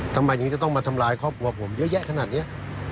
ทำไมยังจะต้องมาทำร้ายครอบครัวผมเยอะแยะขนาดนี้